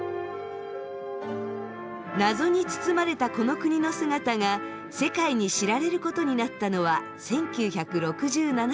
謎に包まれたこの国の姿が世界に知られることになったのは１９６７年。